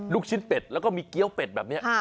ลูกชิ้นเป็ดแล้วก็มีเกี้ยวเป็ดแบบนี้